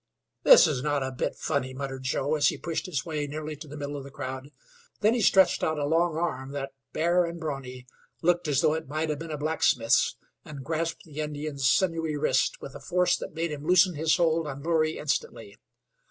"This's not a bit funny," muttered Joe, as he pushed his way nearly to the middle of the crowd. Then he stretched out a long arm that, bare and brawny, looked as though it might have been a blacksmith's, and grasped the Indian's sinewy wrist with a force that made him loosen his hold on Loorey instantly.